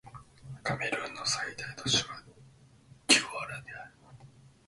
カメルーンの最大都市はドゥアラである